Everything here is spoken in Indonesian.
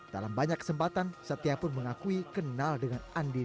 dalam banyak kesempatan setia pun mengakui kenal dengan andi